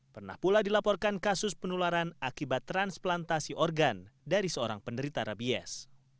pernah pula dilaporkan kasus penularan akibat transplantasi organ dari seorang penderita rabies